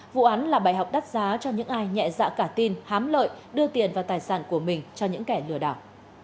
vụ án là bài học đắt giá cho những ai nhẹ dạ cả tin hám lợi đưa tiền và tài sản của mình cho những kẻ lừa đảo